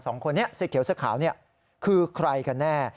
สองคนนี้เสื้อเขียวเสื้อขาวนี่คือใครกันแน่